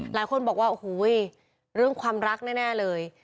หลายคนบอกว่าโอ้โหเรื่องความรักแน่เลย